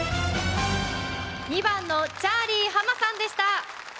２番のチャーリー浜さんでした。